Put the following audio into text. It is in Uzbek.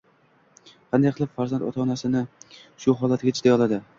Qanday qilib farzand ota-onasini shu holatiga chiday oladi?